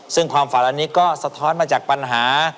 ซึ่งความฝันอันนี้ก็สะท้อนมาจากปัญหา